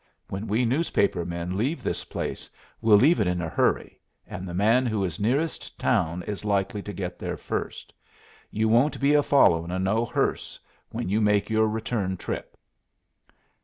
When we newspaper men leave this place we'll leave it in a hurry, and the man who is nearest town is likely to get there first. You won't be a following of no hearse when you make your return trip."